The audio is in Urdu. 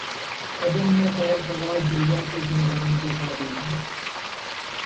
عدم ہے خیر خواہ جلوہ کو زندان بیتابی